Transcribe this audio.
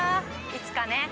いつかね